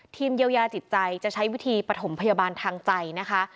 ทีมเยียวยาจิตใจจะใช้วิธีปฐมพยาบาลทางใจนะคะ